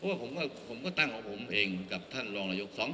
เพราะว่าผมก็ตั้งของผมเองกับท่านรองนายกฟ้อง